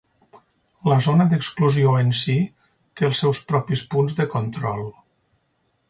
La zona d'exclusió en si té els seus propis punts de control.